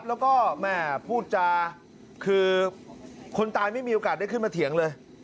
แล้วก็แม่พูดจาคือคนตายไม่มีโอกาสได้ขึ้นมาเถียงเลย